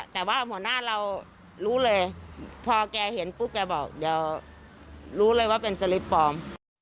แต่ว่าหัวหน้าเรารู้เลยพอแกเห็นปุ๊บแกบอกเดี๋ยวรู้เลยว่าเป็นสลิปปลอม